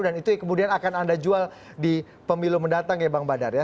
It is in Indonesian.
dan itu yang akan anda jual di pemilu mendatang ya bang badar ya